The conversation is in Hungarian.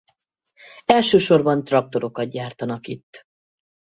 Elsősorban traktorokat gyártanak itt.